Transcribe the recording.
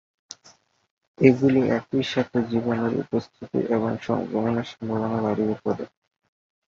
এগুলি একইসাথে জীবাণুর উপস্থিতি এবং সংক্রমণের সম্ভাবনা বাড়িয়ে তোলে।